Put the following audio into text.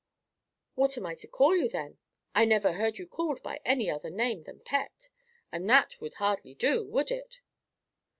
"What am I to call you, then? I never heard you called by any other name than Pet, and that would hardly do, would it?"